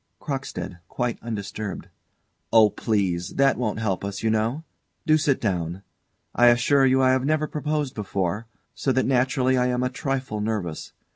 CROCKSTEAD. [Quite undisturbed.] Oh, please! That won't help us, you know. Do sit down. I assure you I have never proposed before, so that naturally I am a trifle nervous.